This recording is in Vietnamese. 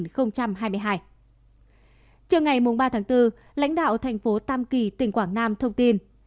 trước ngày ba bốn lãnh đạo thành phố tam kỳ tỉnh quảng nam thông tin